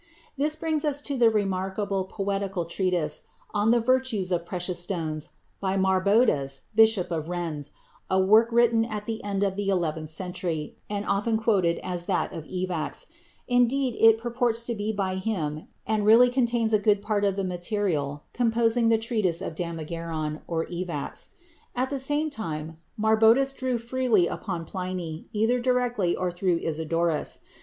This brings us to the remarkable poetical treatise on the virtues of precious stones by Marbodus, Bishop of Rennes, a work written at the end of the eleventh century, and often quoted as that of Evax; indeed, it purports to be by him and really contains a good part of the material composing the treatise of Damigeron or Evax. At the same time Marbodus drew freely upon Pliny, either directly or through Isidorus.